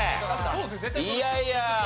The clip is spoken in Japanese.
いやいや。